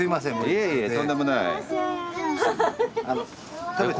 いえいえとんでもない。